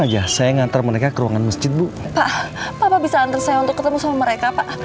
aja saya nganter mereka ke ruangan masjid bu pak bapak bisa antar saya untuk ketemu sama mereka pak